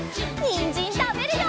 にんじんたべるよ！